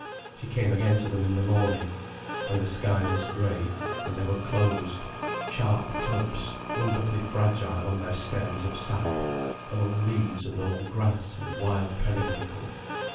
She came again to them in the morning, when the sky was grey, and they were closed, sharp clubs, wonderfully fragile on their stems of sap, among leaves and old grass and wild periwinkle.